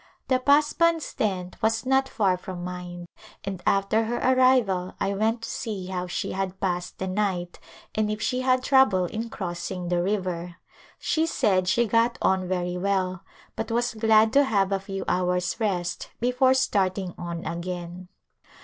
The Pasband's tent was not far from mine and after her arrival I went to see how she had passed the night and if she had trouble in crossing the river. She said she got on very well but was glad to have a few hours rest before starting on again.